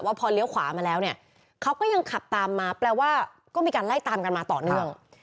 พอเลี้ยวขวามาแล้วเนี่ยเขาก็ยังขับตามมาแปลว่าก็มีการไล่ตามกันมาต่อเนื่อง